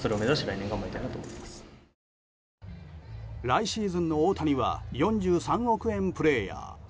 来シーズンの大谷は４３億円プレーヤー。